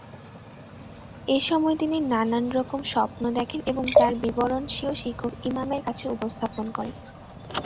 এসময় তিনি নানারকম স্বপ্ন দেখেন এবং তার বিবরণ স্বীয় শিক্ষক ইমামের কাছে উপস্থাপন করেন।